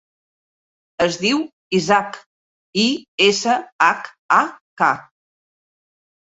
Es diu Ishak: i, essa, hac, a, ca.